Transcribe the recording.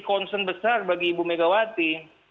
concern besar bagi ibu megawati